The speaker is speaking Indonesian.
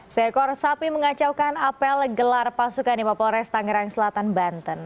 seekor sapi mengacaukan apel gelar pasukan di mapolres tangerang selatan banten